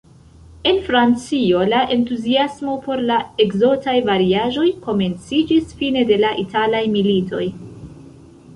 En Francio, la entuziasmo por la ekzotaj variaĵoj komenciĝis fine de la italaj militoj.